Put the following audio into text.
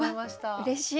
うれしい。